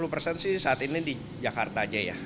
sembilan puluh persen sih saat ini di jakarta aja ya